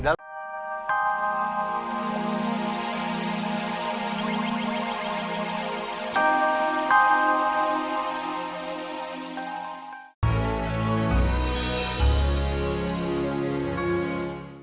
saya saat yang terhormat